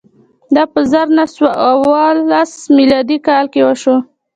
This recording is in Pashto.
دا په زر نه سوه اوولس میلادي کال کې وشول.